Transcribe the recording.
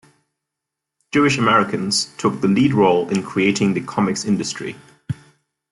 Jewish Americans took the lead role in creating the comics industry.